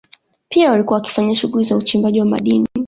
Pia walikuwa wakifanya shughuli za uchimbaji wa madini